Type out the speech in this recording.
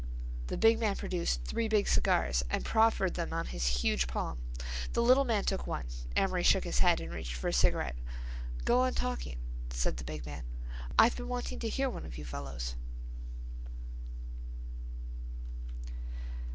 The big man produced three big cigars, and proffered them on his huge palm. The little man took one, Amory shook his head and reached for a cigarette. "Go on talking," said the big man. "I've been wanting to hear one of you fellows."